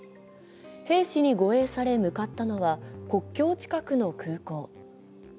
兵士に護衛され、向かったのは国境近くの空港。